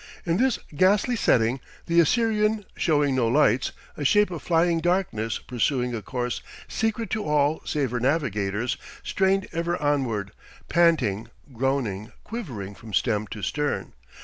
In this ghastly setting the Assyrian, showing no lights, a shape of flying darkness pursuing a course secret to all save her navigators, strained ever onward, panting, groaning, quivering from stem to stern